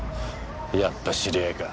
やっぱ知り合いか。